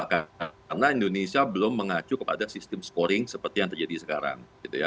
karena indonesia belum mengacu kepada sistem scoring seperti yang terjadi sekarang